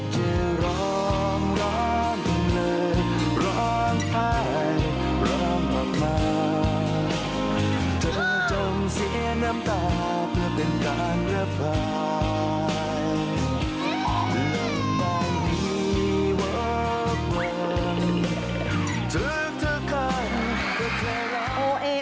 เทิดทักขันเท่หะ